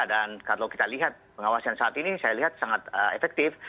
dan kalau kita lihat pengawasan saat ini saya lihat sangat efektif